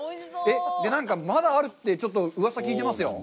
何かまだあるって、ちょっとうわさ、聞いてますよ。